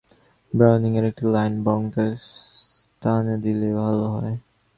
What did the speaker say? ব্রাউনিং-এর একটি লাইন বরং তার স্থানে দিলে ভাল হয়।